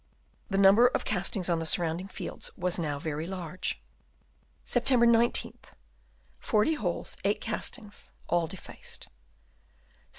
The number of castings on the surrounding fields was now very large. Sept. 1 9th ; 40 holes, 8 castings ; all defaced. Sept.